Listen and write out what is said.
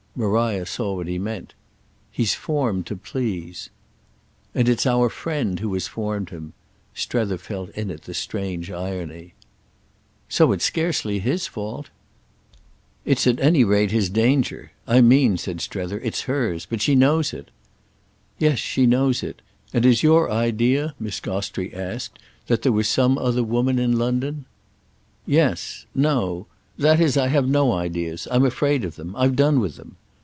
Maria saw what he meant. "He's formed to please." "And it's our friend who has formed him." Strether felt in it the strange irony. "So it's scarcely his fault!" "It's at any rate his danger. I mean," said Strether, "it's hers. But she knows it." "Yes, she knows it. And is your idea," Miss Gostrey asked, "that there was some other woman in London?" "Yes. No. That is I have no ideas. I'm afraid of them. I've done with them."